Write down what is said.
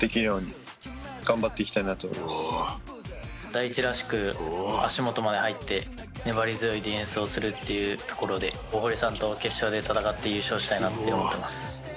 第一らしく足元まで入って粘り強いディフェンスをするっていうところで大濠さんと決勝で戦って優勝したいなって思ってます。